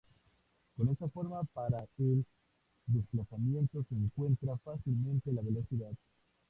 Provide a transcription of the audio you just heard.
Con esta forma para el desplazamiento se encuentra fácilmente la velocidad.